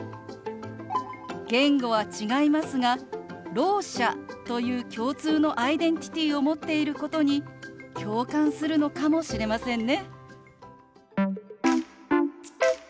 言語は違いますがろう者という共通のアイデンティティーを持っていることに共感するのかもしれませんね。